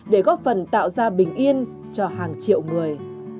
để góp phần tạo ra bình yên cho hàng triệu người